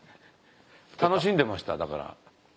楽しんでましただから。